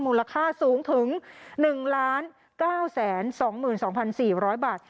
มูลค่าสูงถึง๑๙๒๒๔๐๐บาท